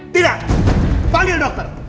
kau kita panggil dokter